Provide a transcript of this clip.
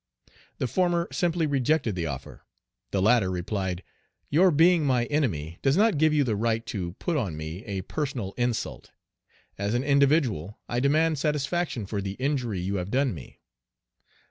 The former simply rejected the offer; the latter replied, "Your being my enemy does not give you the right to put on me a personal insult; as an individual I demand satisfaction for the injury you have done me."